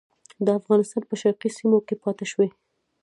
د افغانستان په شرقي سیمو کې پاته شوي.